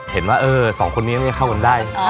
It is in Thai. เห็นว่าเออสองคนนี้ไม่ได้เข้ากันได้